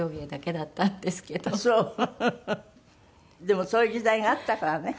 でもそういう時代があったからね